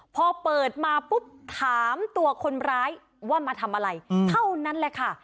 พอเปิดมาปุ๊บถามตัวคนร้ายว่ามาทำอะไรเท่านั้นแหละค่ะ